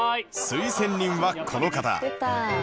推薦人はこの方